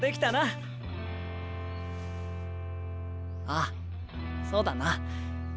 ああそうだな。